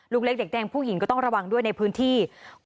ลูกเล็กเด็กแดงผู้หญิงก็ต้องระวังด้วยในพื้นที่